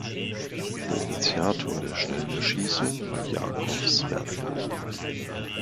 Der Initiator der schnellen Erschießung war Jakow Swerdlow.